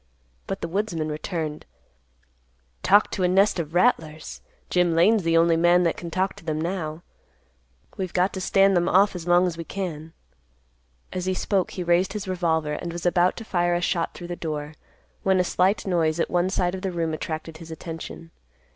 But the woodsman returned, "Talk to a nest of rattlers! Jim Lane's the only man that can talk to them now. We've got to stand them off as long as we can." As he spoke he raised his revolver, and was about to fire a shot through the door, when a slight noise at one side of the room attracted his attention.